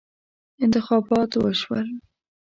انتخابات وشول.